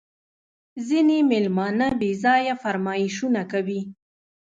ځیني مېلمانه بېځایه فرمایشونه کوي